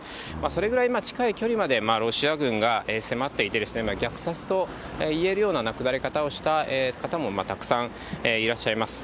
それぐらい近い距離までロシア軍が迫っていて、虐殺といえるような亡くなり方をした方もたくさんいらっしゃいます。